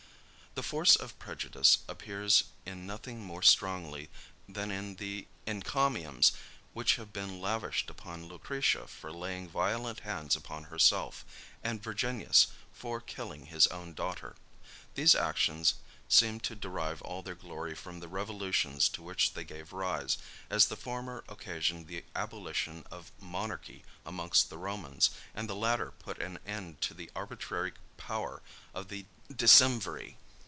The force of prejudice appears in nothing more strongly than in the encomiums which have been lavished upon Lucretia for laying violent hands upon herself, and Virginius for killing his own daughter. These actions seem to derive all their glory from the revolutions to which they gave rise, as the former occasioned the abolition of monarchy amongst the Romans, and the latter put an end to the arbitrary power of the decemviri.